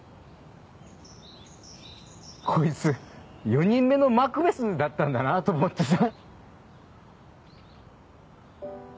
こいつ４人目のマクベスだったんだなと思ってさ。